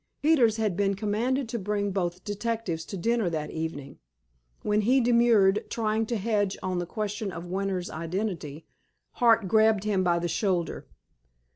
Peters had been commanded to bring both detectives to dinner that evening; when he demurred, trying to hedge on the question of Winter's identity, Hart grabbed him by the shoulder.